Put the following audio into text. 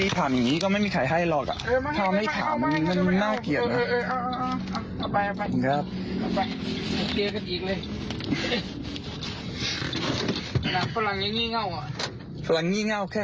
ให้รู้เรากว้างไปโชว์กระเป๋าเนาะ